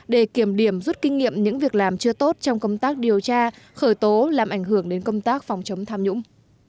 để kiểm điểm rút kinh nghiệm những việc làm chưa tốt trong công tác điều tra khởi tố làm ảnh hưởng đến công tác phòng chống tham nhũng